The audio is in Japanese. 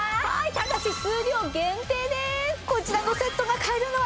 ただし数量限定です！